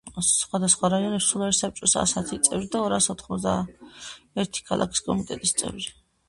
სხვადასხვა რაიონებში სულ არის საბჭოს ას ათი წევრი და ორას ოთხმოცდაერთი ქალაქის კომიტეტის წევრი.